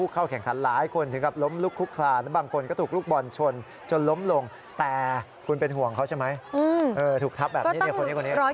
ก็ตั้ง๑๐๐กิโลเมตรไม่ใช่เหรอคุณ